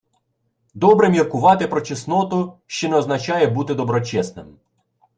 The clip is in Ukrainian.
Добре міркувати про чесноту – ще не означає бути доброчесним